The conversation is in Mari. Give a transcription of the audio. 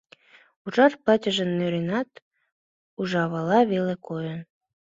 Ужар платьыже нӧренат, ужавала веле койын.